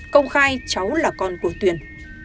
công khai cháu là con của tuyền